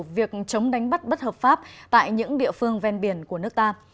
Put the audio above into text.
việc chống đánh bắt bất hợp pháp tại những địa phương ven biển của nước ta